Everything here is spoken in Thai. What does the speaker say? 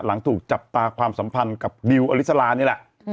ถูกจับตาความสัมพันธ์กับดิวอลิสลานี่แหละ